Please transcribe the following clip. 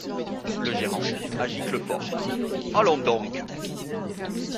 Le Gérant, à Giclefort. — Allons donc ?